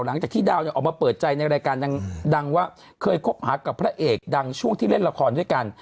หลังจากที่ดาวเนี่ยออกมาเปิดใจในรายการดังว่าเคยคบหากับพระเอกดังช่วงที่เล่นละครด้วยกัน